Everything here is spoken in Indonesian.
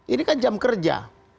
ini kan jam kerja